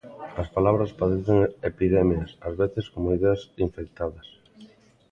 As palabras padecen epidemias, ás veces como ideas infectadas.